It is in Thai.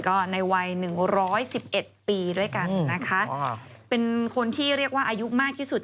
ก็ในวัย๑๑๑ปีด้วยกันนะคะเป็นคนที่เรียกว่าอายุมากที่สุด